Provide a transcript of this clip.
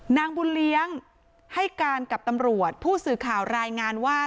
นางบุญเลี้ยงให้การกับตำรวจผู้สื่อข่าวรายงานว่า